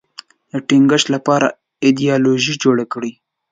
د ټینګښت لپاره ایدیالوژي جوړه کړي